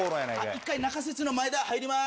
一回、中説の前田、入ります。